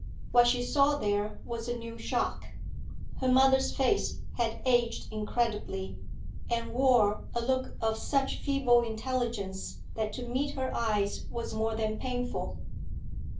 What she saw there was a new shock; her mother's face had aged incredibly, and wore a look of such feeble intelligence that to meet her eyes was more than painful.